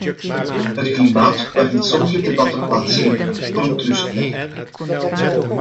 Het klimaat waarin sommige debatten plaatsvinden verontrust mij.